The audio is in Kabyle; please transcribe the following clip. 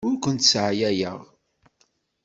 Ur kent-sseɛyayeɣ.